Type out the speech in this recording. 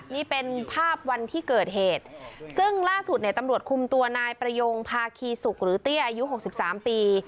นี่เป็นภาพวันที่เกิดเหตุซึ่งล่าสุดเนี่ยตำรวจคุมตัวนายประยงภาคีสุกหรือเตี้ยอายุหกสิบสามปี